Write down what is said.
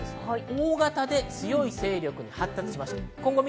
大型で強い勢力に発達しました。